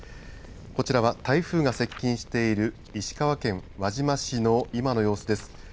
こちらは台風が接近している石川県輪島市の今の様子です。